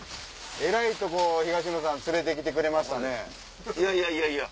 えらいとこ東野さん連れて来てくれましたね。